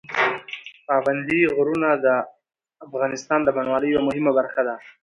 پابندي غرونه د افغانستان د بڼوالۍ یوه مهمه برخه ده.